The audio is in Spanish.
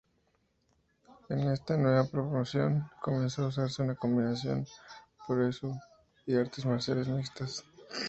En esta nueva promoción comenzó a usarse una combinación puroresu y artes marciales mixtas.